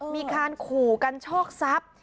มีการขู่กันโชคทรัพย์